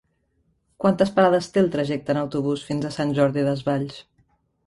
Quantes parades té el trajecte en autobús fins a Sant Jordi Desvalls?